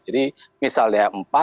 jadi misalnya empat